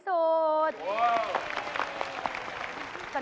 ถูกกว่า